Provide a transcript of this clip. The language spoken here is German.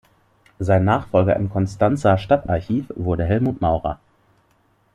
Sein Nachfolger im Konstanzer Stadtarchiv wurde Helmut Maurer.